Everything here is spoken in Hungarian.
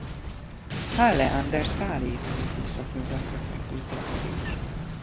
Halle an der Saaletól északnyugatra fekvő település.